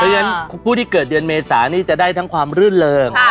เพราะฉะนั้นผู้ที่เกิดเดือนเมษานี่จะได้ทั้งความรื่นเริง